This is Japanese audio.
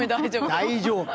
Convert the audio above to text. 大丈夫。